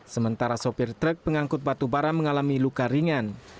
sementara sopir truk pengangkut batu bara mengalami luka ringan